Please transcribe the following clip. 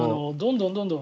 どんどん。